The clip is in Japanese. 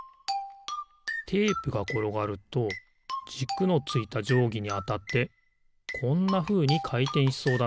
テープがころがるとじくのついたじょうぎにあたってこんなふうにかいてんしそうだな。